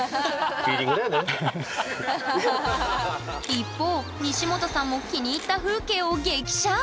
一方西本さんも気に入った風景を激写！